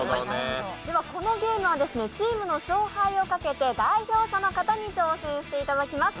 このゲームは、チームの勝敗をかけて代表者の方に挑戦していただきます。